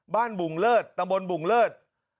บ้านปุงเลิศตำบลปุงเลิศ